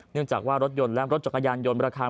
เนื่องจากว่ารถยนต์และรถจักรยานยนต์ราคา